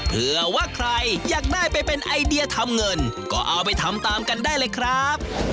เพื่อว่าใครอยากได้ไปเป็นไอเดียทำเงินก็เอาไปทำตามกันได้เลยครับ